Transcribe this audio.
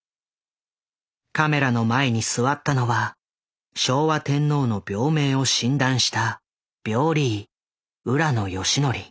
カメラの前に座ったのは昭和天皇の病名を診断した病理医浦野順文。